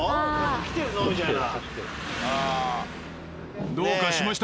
「来てるぞ」みたいな。